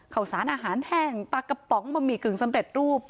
ข่าวสารอาหารแห้งปลากระป๋องบะหมี่กึ่งสำเร็จรูป